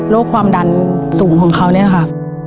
ความดันสูงของเขาเนี่ยค่ะ